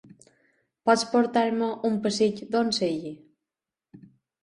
Pots portar-me un pessic d'on sigui?